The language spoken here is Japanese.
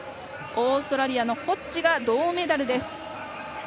オーストラリアのホッジが銅メダルです。